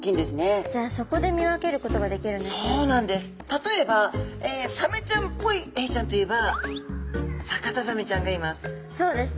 例えばサメちゃんっぽいエイちゃんといえばサカタザメちゃんがいます。